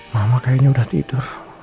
mama kayaknya udah tidur